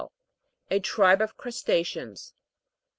A tribe of crusta'ceans.